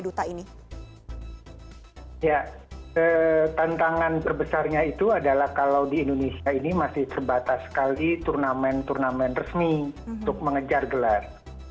ya tantangan terbesarnya itu adalah kalau di indonesia ini masih sebatas sekali turnamen turnamen resmi untuk mengejar gelar